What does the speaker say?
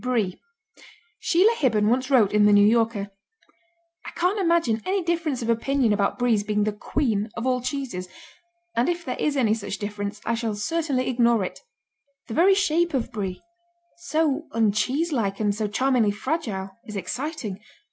Brie Sheila Hibben once wrote in The New Yorker: I can't imagine any difference of opinion about Brie's being the queen of all cheeses, and if there is any such difference, I shall certainly ignore it. The very shape of Brie so uncheese like and so charmingly fragile is exciting.